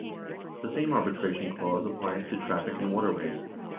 The same arbitration clause applies to traffic and waterways.